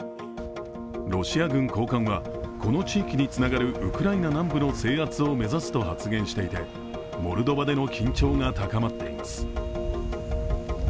ロシア軍高官は、この地域につながるウクライナ南部の制圧を目指すと発言していて、モルドバでの緊張が高まっています。